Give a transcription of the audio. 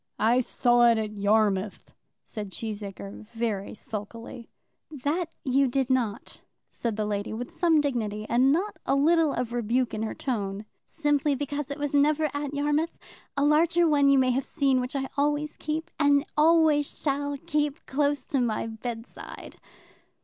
"I saw it at Yarmouth," said Cheesacre, very sulkily. "That you did not," said the lady with some dignity, and not a little of rebuke in her tone; "simply because it never was at Yarmouth. A larger one you may have seen, which I always keep, and always shall keep, close by my bedside."